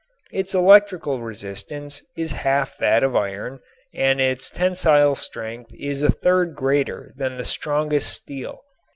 Its electrical resistance is half that of iron and its tensile strength is a third greater than the strongest steel.